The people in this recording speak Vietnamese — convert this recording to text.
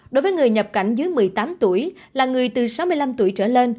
đối với người nhập cảnh dưới một mươi tám tuổi là người từ sáu mươi năm tuổi trở lên